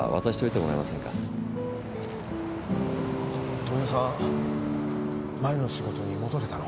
富生さん前の仕事に戻れたの？